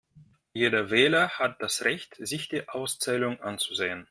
Jeder Wähler hat das Recht, sich die Auszählung anzusehen.